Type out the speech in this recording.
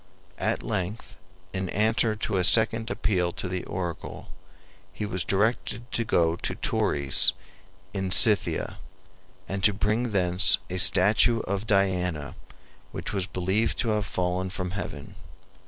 At length, in answer to a second appeal to the oracle, he was directed to go to Tauris in Scythia, and to bring thence a statue of Diana which was believed to have fallen from heaven.